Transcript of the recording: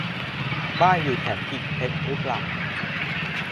บ้านอยู่แถวกิ่งเพชรรึเปล่า